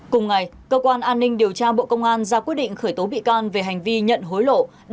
cùng ngày cơ quan an ninh điều tra bộ công an ra quyết định khởi tố bị can về hành vi nhận hối lộ